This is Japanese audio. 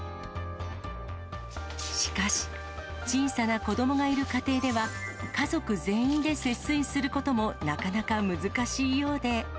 しかし、小さな子どもがいる家庭では、家族全員で節水することもなかなか難しいようで。